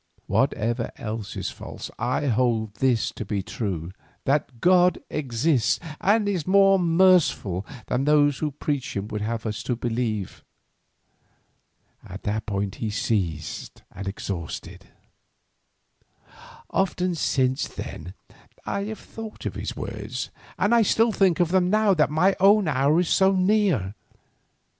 Whatever else is false, I hold this to be true, that God exists and is more merciful than those who preach Him would have us to believe." And he ceased exhausted. Often since then I have thought of his words, and I still think of them now that my own hour is so near.